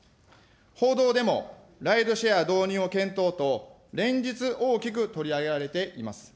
報道でもライドシェア導入を検討と連日、大きく取り上げられています。